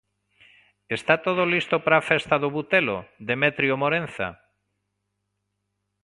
Está todo listo para a Festa do Butelo, Demetrio Morenza?